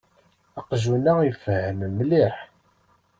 Aqjun-a ifehhem mliḥ.